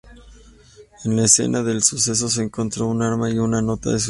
En la escena del suceso se encontró el arma y una nota de suicidio.